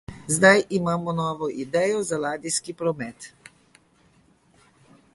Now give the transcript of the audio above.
Zdaj imamo novo idejo za ladijski promet.